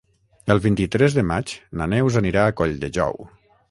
El vint-i-tres de maig na Neus anirà a Colldejou.